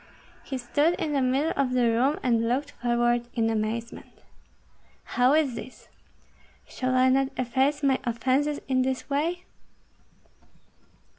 He stood in the middle of the room, and looked forward in amazement. "How is this? Shall I not efface my offences in this way?"